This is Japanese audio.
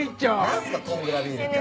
なんすかコングラビールって。